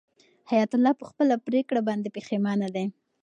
حیات الله په خپله پرېکړه باندې پښېمانه دی.